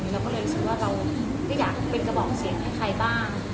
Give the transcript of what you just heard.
เราก็เลยรู้สึกว่าเราก็อยากเป็นกระบอกเสียงให้ใครบ้าง